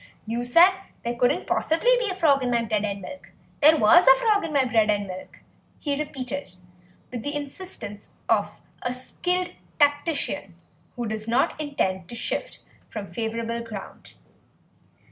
"You said there couldn't possibly be a frog in my bread and milk; there was a frog in my bread and milk," he repeated, with the insistence of a skilled tactician who does not intend to shift from favourable ground.